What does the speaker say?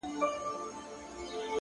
ځوان لگيا دی؛